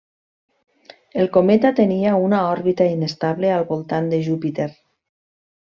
El cometa tenia una òrbita inestable al voltant de Júpiter.